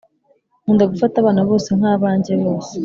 Nkunda gufata abana bose nka abanjye bose